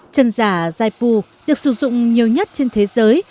chân giả jaipu được sử dụng nhiều nhất trên thế giới